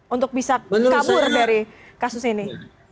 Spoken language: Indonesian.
untuk bisa kabur dari kasus ini